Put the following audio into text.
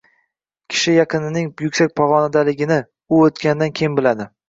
Kishi yaqinining yuksak pog‘onadaligini u o‘tganidan keyin biladi.